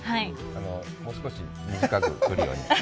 もう少し短く来るように。